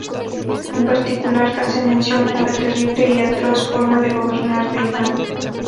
En particular, hace mención a la terrible y atroz forma de gobernar de Iván.